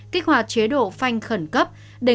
kích hoạt chế độ phanh khẩn cấp